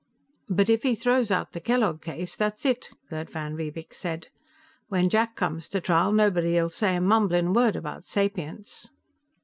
"But if he throws out the Kellogg case, that's it," Gerd van Riebeek said. "When Jack comes to trial, nobody'll say a mumblin' word about sapience."